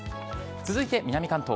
続いて南関東。